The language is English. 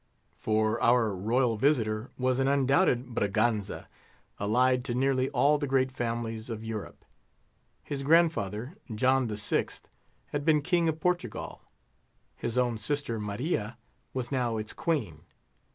For our royal visitor was an undoubted Braganza, allied to nearly all the great families of Europe. His grandfather, John VI., had been King of Portugal; his own sister, Maria, was now its queen.